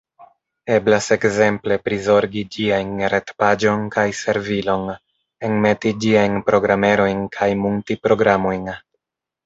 Eblas ekzemple prizorgi ĝiajn retpaĝon kaj servilon, enmeti ĝiajn programerojn kaj munti programojn.